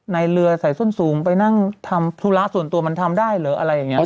ในเรือใส่ส้นสูงไปนั่งทำธุระส่วนตัวมันทำได้เหรออะไรอย่างนี้